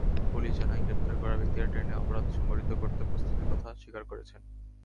Police জানায়, গ্রেপ্তার করা ব্যক্তিরা ট্রেনে অপরাধ সংঘটিত করতে প্রস্তুতির কথা স্বীকার করেছেন।